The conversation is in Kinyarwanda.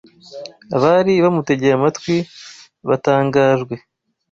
Abari bamutegeye amatwi batangajwe